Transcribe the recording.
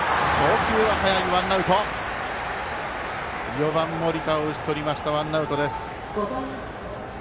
４番、森田を打ち取りましたワンアウトです。